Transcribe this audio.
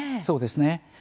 そうですね。